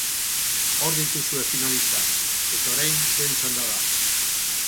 Hor dituzue finalistak, eta orain zuen txanda da!